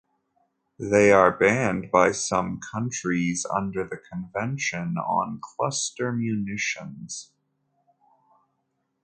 They are banned by some countries under the Convention on Cluster Munitions.